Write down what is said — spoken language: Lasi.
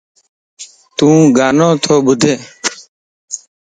يوڳانوتو ٻڌ